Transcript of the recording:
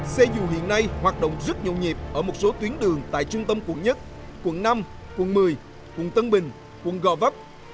xe dù hiện nay hoạt động rất nhộn nhịp ở một số tuyến đường tại trung tâm quận một quận năm quận một mươi quận tân bình quận gò vấp